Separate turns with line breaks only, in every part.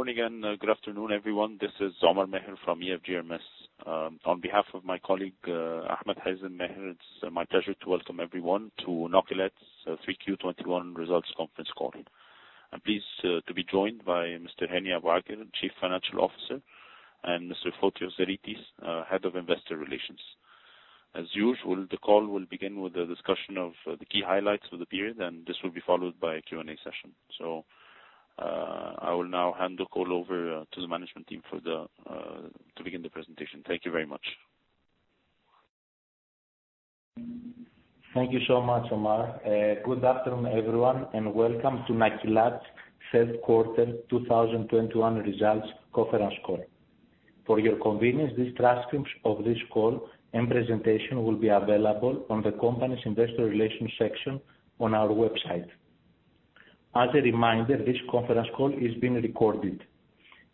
Good morning and good afternoon, everyone. This is Omar Maher from EFG Hermes. On behalf of my colleague, Ahmed Hazem Maher, it's my pleasure to welcome everyone to Nakilat's 3Q21 results conference call. I'm pleased to be joined by Mr. Hani Abu Aker, Chief Financial Officer, and Mr. Fotios Zeritis, Head of Investor Relations. As usual, the call will begin with a discussion of the key highlights for the period, and this will be followed by a Q&A session. I will now hand the call over to the management team to begin the presentation. Thank you very much.
Thank you so much, Omar. Good afternoon, everyone, and welcome to Nakilat's Q3 2021 results conference call. For your convenience, these transcripts of this call and presentation will be available on the company's investor relations section on our website. As a reminder, this conference call is being recorded.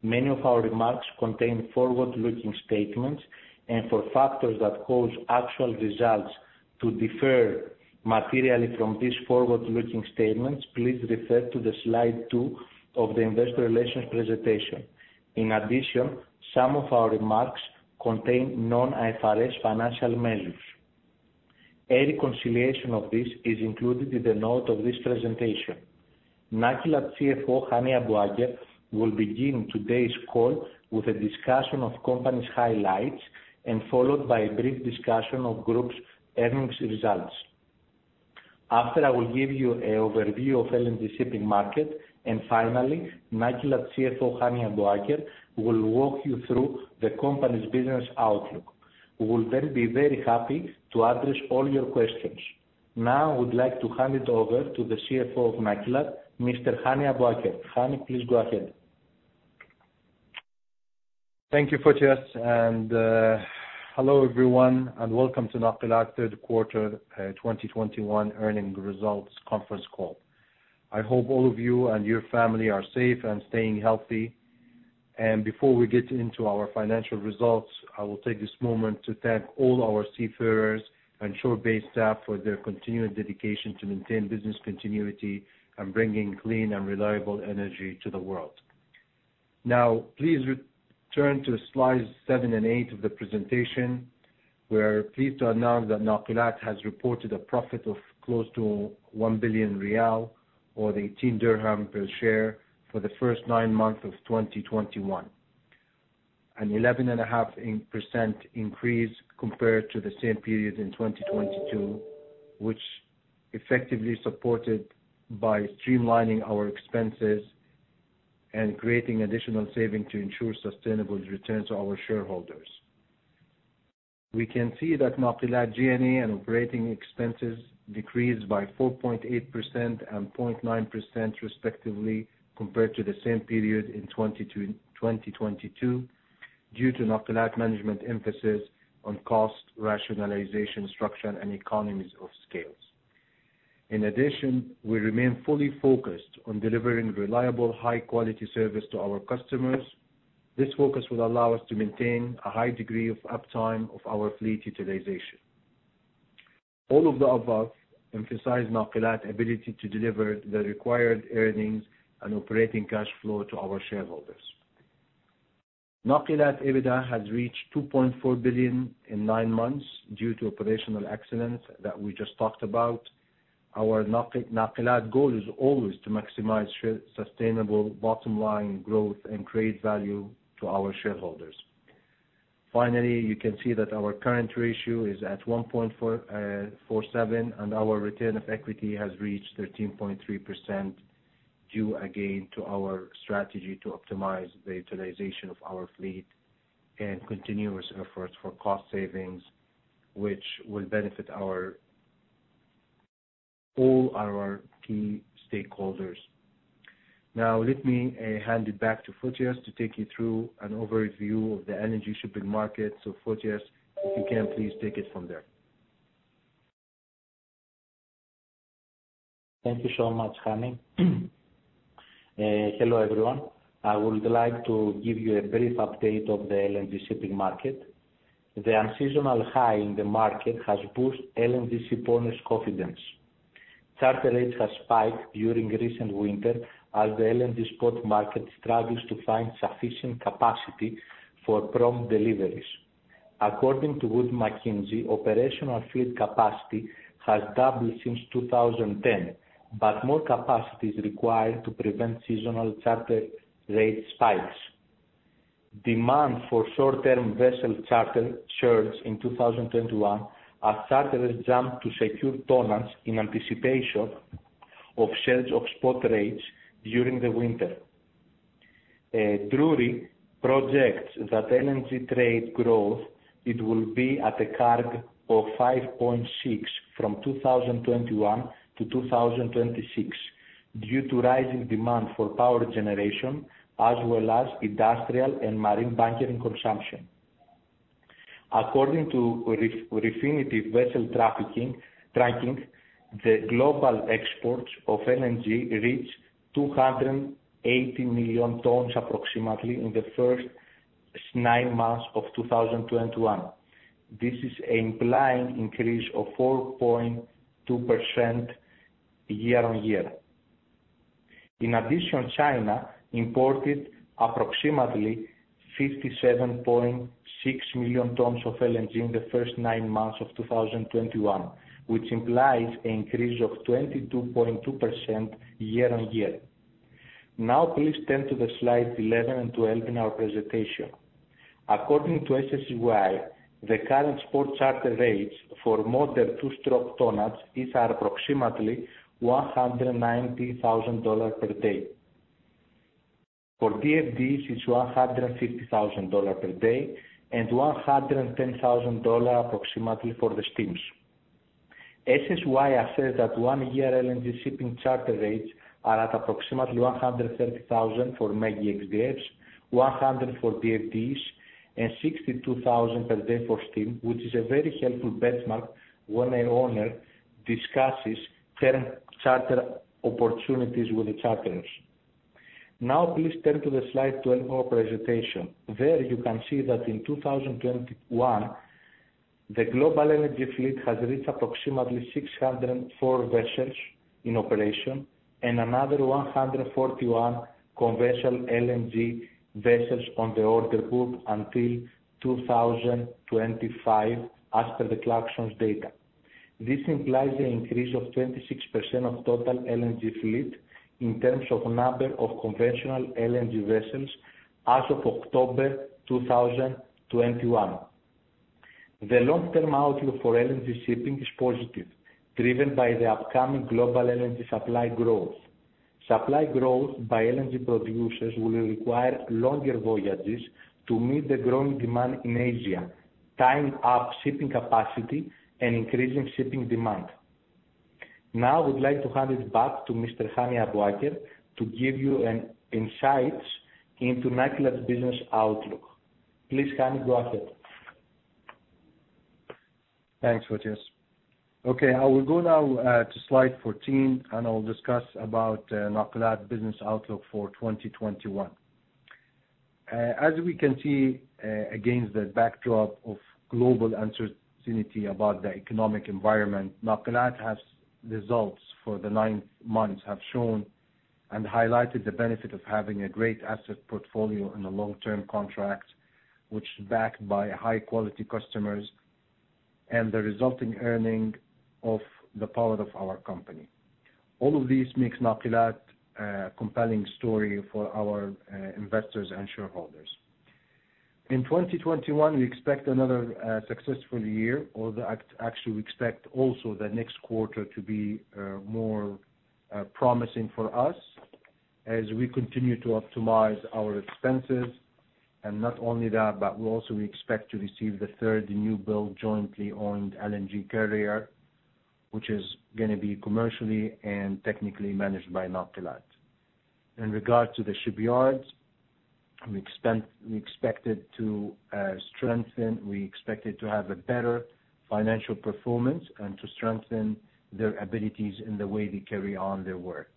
Many of our remarks contain forward-looking statements and for factors that cause actual results to differ materially from these forward-looking statements, please refer to the Slide two of the investor relations presentation. In addition, some of our remarks contain non-IFRS financial measures. A reconciliation of this is included in the notes of this presentation. Nakilat CFO, Hani Abu Aker, will begin today's call with a discussion of company's highlights and followed by a brief discussion of group's earnings results. After, I will give you an overview of LNG shipping market, and finally, Nakilat CFO, Hani Abu Aker, will walk you through the company's business outlook. We will be very happy to address all your questions. Now, I would like to hand it over to the CFO of Nakilat, Mr. Hani Abu Aker. Hani, please go ahead.
Thank you, Fotios. Hello, everyone, and welcome to Nakilat Q3 2021 earnings results conference call. I hope all of you and your family are safe and staying healthy. Before we get into our financial results, I will take this moment to thank all our seafarers and shore-based staff for their continued dedication to maintain business continuity and bringing clean and reliable energy to the world. Now, please return to Slides seven and eight of the presentation. We are pleased to announce that Nakilat has reported a profit of close to 1 billion riyal or QAR 0.18 per share for the first nine months of 2021. An 11.5% increase compared to the same period in 2022, which effectively supported by streamlining our expenses and creating additional savings to ensure sustainable return to our shareholders. We can see that Nakilat G&A and operating expenses decreased by 4.8% and 0.9% respectively, compared to the same period in 2022, due to Nakilat management emphasis on cost rationalization, structure, and economies of scale. In addition, we remain fully focused on delivering reliable, high-quality service to our customers. This focus will allow us to maintain a high degree of uptime of our fleet utilization. All of the above emphasize Nakilat ability to deliver the required earnings and operating cash flow to our shareholders. Nakilat EBITDA has reached 2.4 billion in nine months due to operational excellence that we just talked about. Our Nakilat goal is always to maximize sustainable bottom-line growth and create value to our shareholders. You can see that our current ratio is at 1.47, and our return of equity has reached 13.3%, due again to our strategy to optimize the utilization of our fleet and continuous efforts for cost savings, which will benefit all our key stakeholders. Let me hand it back to Fotios to take you through an overview of the energy shipping market. Fotios, if you can please, take it from there.
Thank you so much, Hani. Hello, everyone. I would like to give you a brief update of the LNG shipping market. The unseasonal high in the market has pushed LNG shipowners' confidence. Charter rates have spiked during recent winter as the LNG spot market struggles to find sufficient capacity for prompt deliveries. According to Wood Mackenzie, operational fleet capacity has doubled since 2010, but more capacity is required to prevent seasonal charter rate spikes. Demand for short-term vessel charter surged in 2021 as charterers jumped to secure tonnages in anticipation of surge of spot rates during the winter. Drewry projects that LNG trade growth, it will be at a CAGR of 5.6% from 2021 - 2026 due to rising demand for power generation as well as industrial and marine bunkering consumption. According to Refinitiv vessel tracking, the global exports of LNG reached 280 million tons approximately in the first nine months of 2021. This is implying increase of 4.2% year-on-year. In addition, China imported approximately 57.6 million tons of LNG in the first nine months of 2021, which implies an increase of 22.2% year-on-year. Please turn to the slide 11 and 12 in our presentation. According to SSY, the current spot charter rates for modern two-stroke tonnages is approximately $190,000 per day. For DFDE, it's $150,000 per day and $110,000 approximately for the steams. SSY asserts that one year LNG shipping charter rates are at approximately $130,000 for mega DFDE, $100,000 for DFDE and $62,000 per day for steam, which is a very helpful benchmark when an owner discusses current charter opportunities with the charterers. Please turn to the slide 12 of our presentation. There you can see that in 2021, the global LNG fleet has reached approximately 604 vessels in operation and another 141 conventional LNG vessels on the order book until 2025 as per the Clarksons data. This implies an increase of 26% of total LNG fleet in terms of number of conventional LNG vessels as of October 2021. The long-term outlook for LNG shipping is positive, driven by the upcoming global LNG supply growth. Supply growth by LNG producers will require longer voyages to meet the growing demand in Asia, tying up shipping capacity and increasing shipping demand. Now I would like to hand it back to Mr. Hani Abuaker to give you an insight into Nakilat business outlook. Please, Hani, go ahead.
Thanks, Fotios. Okay, I will go now to slide 14. I will discuss about Nakilat business outlook for 2021. As we can see, against the backdrop of global uncertainty about the economic environment, Nakilat has results for the nine months have shown and highlighted the benefit of having a great asset portfolio and a long-term contract, which is backed by high quality customers and the resulting earning of the power of our company. All of this makes Nakilat a compelling story for our investors and shareholders. In 2021, we expect another successful year, although actually we expect also the next quarter to be more promising for us as we continue to optimize our expenses. Not only that, but also we expect to receive the 3rd new build jointly owned LNG carrier, which is going to be commercially and technically managed by Nakilat. In regard to the shipyards, we expected to strengthen, we expected to have a better financial performance and to strengthen their abilities in the way they carry on their work.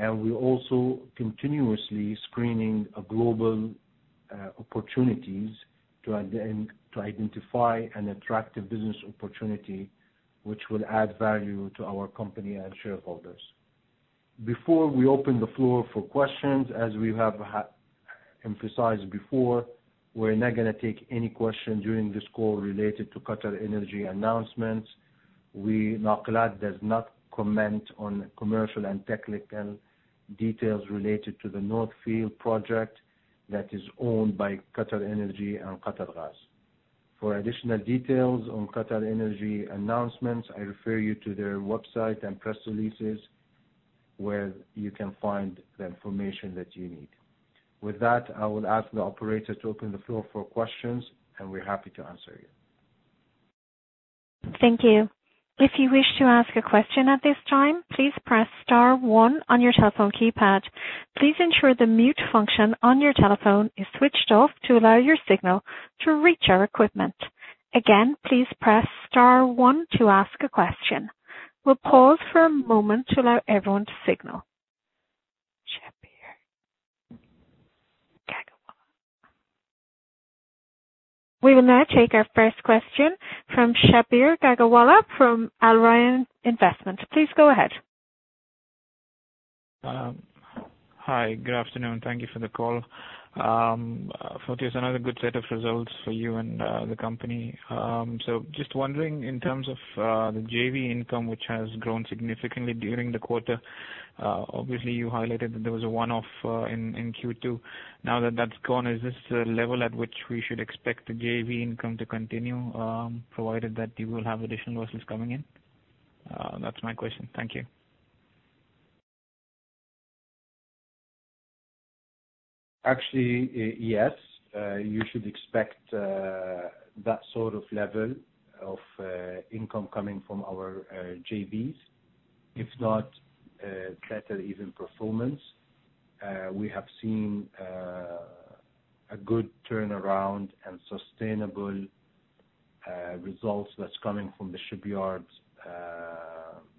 We also continuously screening a global opportunities to identify an attractive business opportunity, which will add value to our company and shareholders. Before we open the floor for questions, as we have emphasized before, we're not going to take any question during this call related to QatarEnergy announcements. Nakilat does not comment on commercial and technical details related to the North Field project that is owned by QatarEnergy and Qatargas. For additional details on QatarEnergy announcements, I refer you to their website and press releases where you can find the information that you need. With that, I will ask the operator to open the floor for questions, and we're happy to answer you.
Thank you. If you wish to have a question at this time please press star one on your telephone keypad. Please ensure the mute function on your telephone is switched off to allow your signal to reach our equipment. Shabbir Yusuf Kagalwala. We will now take our first question from Shabbir Yusuf Kagalwala from Al Rayan Investment. Please go ahead.
Hi, good afternoon. Thank you for the call. Fotios, another good set of results for you and the company. Just wondering in terms of the JV income, which has grown significantly during the quarter, obviously you highlighted that there was a one-off in Q2. Now that that's gone, is this a level at which we should expect the JV income to continue, provided that you will have additional vessels coming in? That's my question. Thank you.
Actually, yes. You should expect that sort of level of income coming from our JVs. If not, better even performance. We have seen a good turnaround and sustainable results that's coming from the shipyards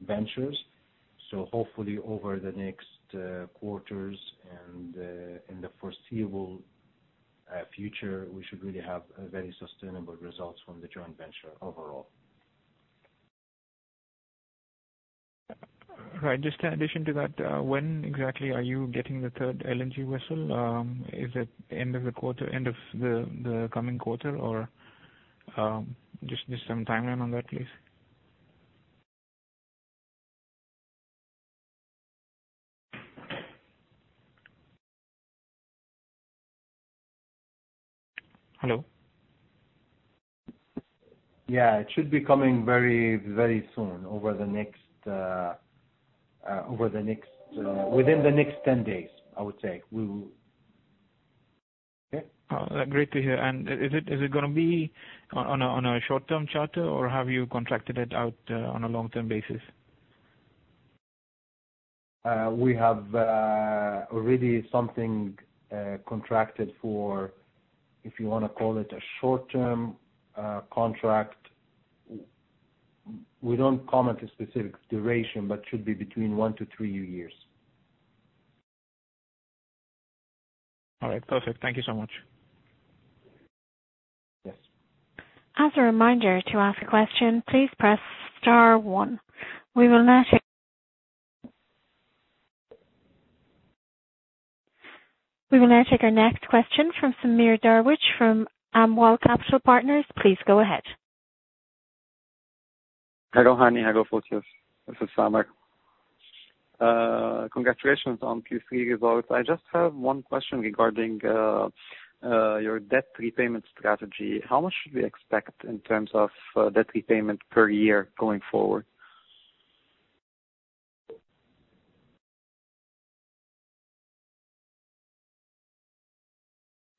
ventures. Hopefully over the next quarters and in the foreseeable future, we should really have very sustainable results from the joint venture overall.
Right. Just an addition to that, when exactly are you getting the third LNG vessel? Is it end of the coming quarter? Just some timeline on that, please. Hello?
Yeah, it should be coming very soon. Within the next 10 days, I would say. Okay?
Great to hear. Is it going to be on a short-term charter or have you contracted it out on a long-term basis?
We have already something contracted for, if you want to call it a short-term contract. We don't comment a specific duration, but should be between one to three years.
All right. Perfect. Thank you so much.
Yes.
As a reminder, to ask a question, please press star one. We will now take our next question from Samer Darwiche from Amwal Capital Partners. Please go ahead.
Hello, Hani. Hello, Fotios. This is Samer. Congratulations on Q3 results. I just have one question regarding your debt repayment strategy. How much should we expect in terms of debt repayment per year going forward?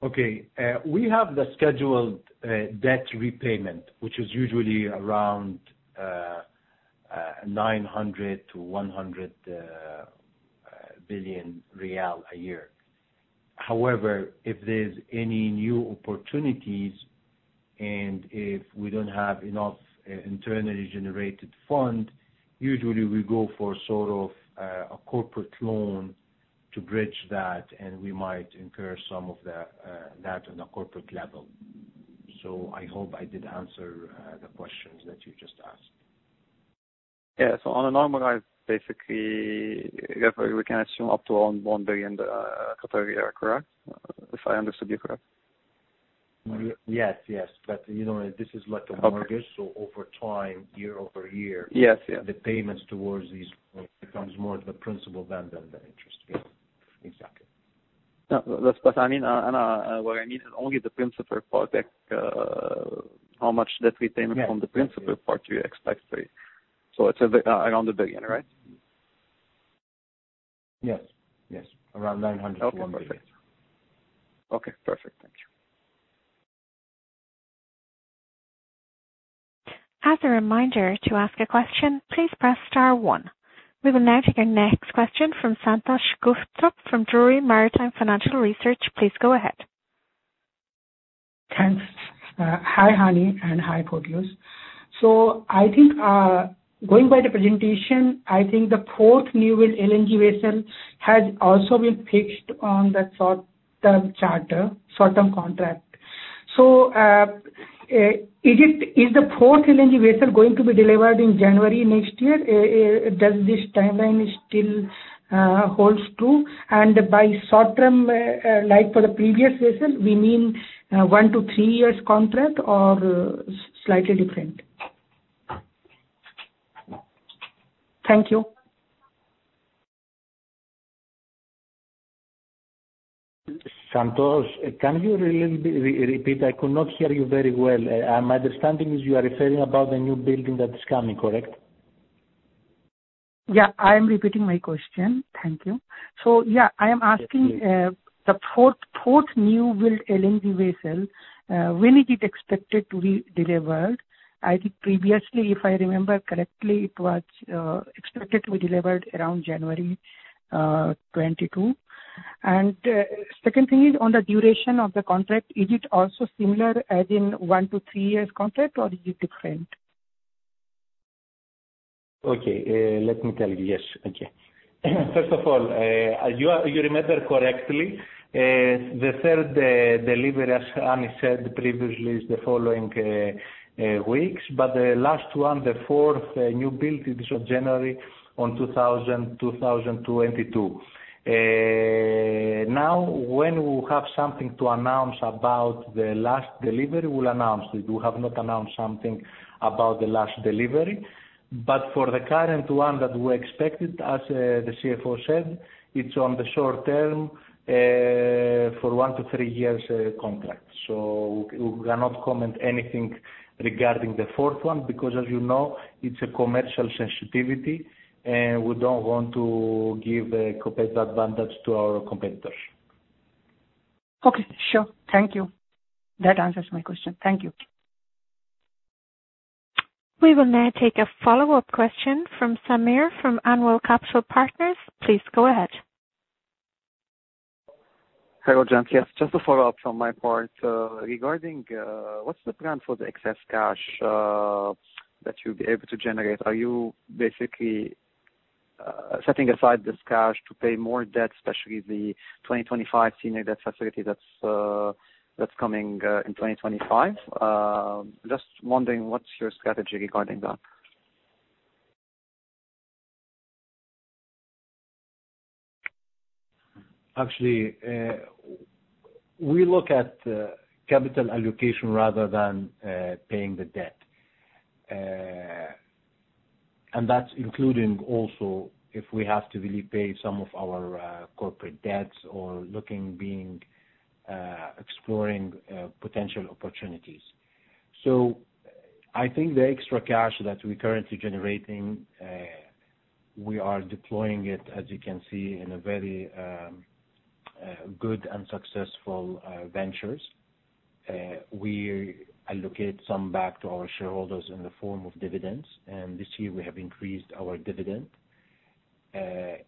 Okay. We have the scheduled debt repayment, which is usually around QAR 900-QAR 100 billion a year. However, if there's any new opportunities and if we don't have enough internally generated fund, usually we go for sort of a corporate loan to bridge that, and we might incur some of that on a corporate level. I hope I did answer the questions that you just asked.
Yeah. On a normalized, basically, roughly we can assume up to around 1 billion, correct? If I understood you correct.
Yes. This is like a mortgage, so over time, year-over-year-
Yes
...the payments towards these becomes more the principal than the interest. Yeah. Exactly.
No. What I mean is only the principal part. How much debt repayment from the principal part you expect? It's around 1 billion, right?
Yes. Around 900 million-1 billion.
Okay, perfect. Thank you.
As a reminder, to ask a question, please press star one. We will now take our next question from Santosh Gupta from Drewry Maritime Financial Research. Please go ahead.
Thanks. Hi, Hani, and hi, Fotios. Going by the presentation, I think the fourth new build LNG vessel has also been fixed on that short-term charter, short-term contract. Is the fourth LNG vessel going to be delivered in January next year? Does this timeline still holds true? By short-term, like for the previous vessel, we mean one-three years contract or slightly different? Thank you.
Santosh, can you little bit repeat? I could not hear you very well. My understanding is you are referring about the new building that is coming, correct?
Yeah, I am repeating my question. Thank you. Yeah, I am asking the 4th new build LNG vessel, when is it expected to be delivered? I think previously, if I remember correctly, it was expected to be delivered around January 2022. Second thing is on the duration of the contract. Is it also similar as in one-three years contract or is it different?
Okay. Let me tell you. Yes. Okay. First of all, you remember correctly. The third delivery, as Hani said previously, is the following weeks. The last one, the fourth new build is on January on 2022. Now, when we will have something to announce about the last delivery, we'll announce it. We have not announced something about the last delivery. For the current one that we expected, as the CFO said, it's on the short term for one to three years contract. We cannot comment anything regarding the fourth one because as you know, it's a commercial sensitivity and we don't want to give a competitive advantage to our competitors.
Okay, sure. Thank you. That answers my question. Thank you.
We will now take a follow-up question from Samer from Amwal Capital Partners. Please go ahead.
Hello, gents. Yes, just a follow-up from my part. Regarding what's the plan for the excess cash that you'll be able to generate. Are you basically setting aside this cash to pay more debt, especially the 2025 senior debt facility that's coming in 2025? Just wondering what's your strategy regarding that?
Actually, we look at capital allocation rather than paying the debt. That's including also if we have to really pay some of our corporate debts or exploring potential opportunities. I think the extra cash that we're currently generating, we are deploying it, as you can see, in a very good and successful ventures. We allocate some back to our shareholders in the form of dividends. This year we have increased our dividend.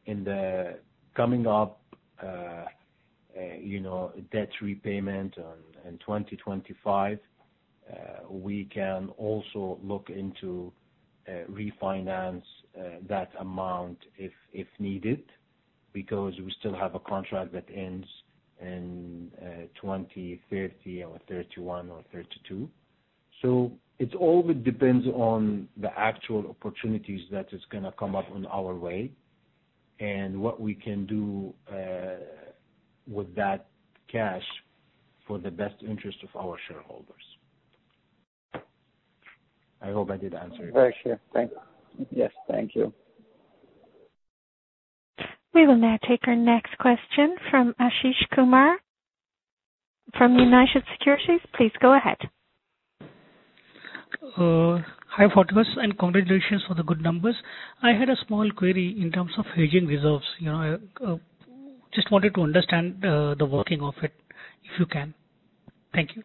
In the coming up debt repayment in 2025, we can also look into refinance that amount if needed, because we still have a contract that ends in 2030 or 2031 or 2032. It all depends on the actual opportunities that is going to come up in our way and what we can do with that cash for the best interest of our shareholders. I hope I did answer your question.
Very sure. Thanks. Yes, thank you.
We will now take our next question from Ashish Kumar from United Securities. Please go ahead.
Hi, Fotis, and congratulations for the good numbers. I had a small query in terms of hedging reserves. Just wanted to understand the working of it, if you can. Thank you.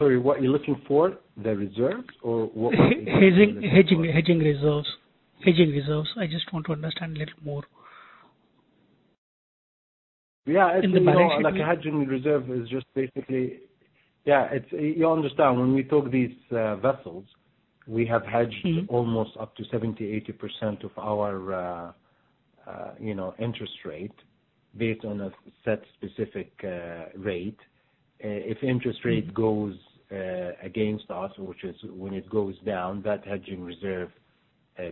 Sorry, what you're looking for? The reserves? Or what?
Hedging reserves. I just want to understand a little more.
Yeah.
In the management.
Like a hedging reserve is just basically Yeah. You understand, when we took these vessels, we have hedged-
Okay
...almost up to 70%, 80% of our interest rate based on a set specific rate. If interest rate goes against us, which is when it goes down, that hedging reserve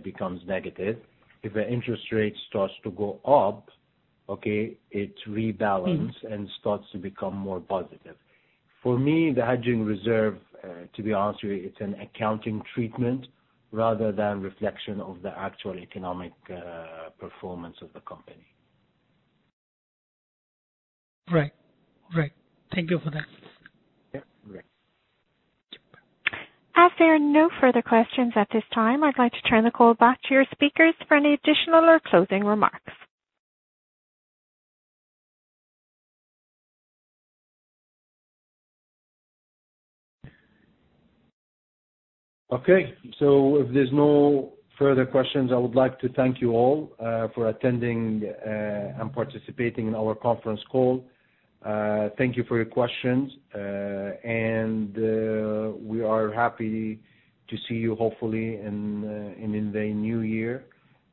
becomes negative. If the interest rate starts to go up, okay, it rebalances and starts to become more positive. For me, the hedging reserve, to be honest with you, it's an accounting treatment rather than reflection of the actual economic performance of the company.
Right. Thank you for that.
Yeah, great.
As there are no further questions at this time, I'd like to turn the call back to your speakers for any additional or closing remarks.
Okay. If there's no further questions, I would like to thank you all for attending and participating in our conference call. Thank you for your questions. We are happy to see you, hopefully, in the new year,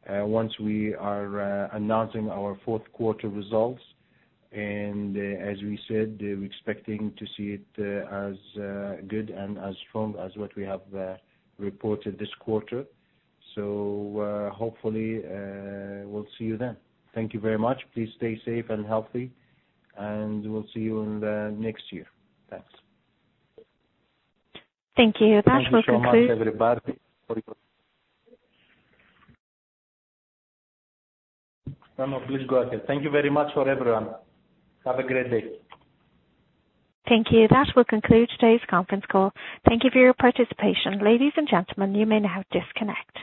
once we are announcing our fourth quarter results. As we said, we're expecting to see it as good and as strong as what we have reported this quarter. Hopefully, we'll see you then. Thank you very much. Please stay safe and healthy, and we'll see you in the next year. Thanks.
Thank you.
Thank you so much, everybody, for your. No, please go ahead. Thank you very much for everyone. Have a great day.
Thank you. That will conclude today's conference call. Thank you for your participation. Ladies and gentlemen, you may now disconnect.